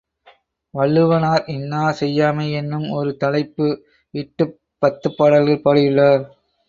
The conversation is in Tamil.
வள்ளுவனார் இன்னா செய்யாமை என்னும் ஒரு தலைப்பு இட்டுப் பத்துப் பாடல்கள் பாடியுள்ளார்.